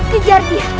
rai kejar dia